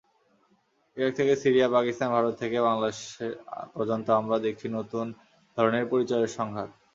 Iraq থেকে Syria, পাকিস্তান-ভারত থেকে বাংলাদেশ পর্যন্ত আমরা দেখছি নতুন ধরনের পরিচয়ের সংঘাত।